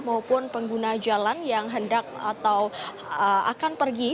maupun pengguna jalan yang hendak atau akan pergi